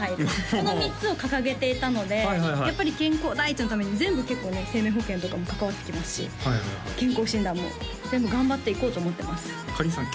この３つを掲げていたのでやっぱり健康第一のために全部結構ね生命保険とかも関わってきますし健康診断も全部頑張っていこうと思ってますかりんさん